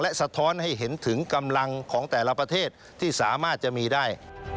สะท้อนให้เห็นถึงกำลังของแต่ละประเทศที่สามารถจะมีได้